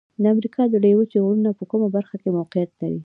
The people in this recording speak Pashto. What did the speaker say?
د امریکا د لویې وچې غرونه په کومه برخه کې موقعیت لري؟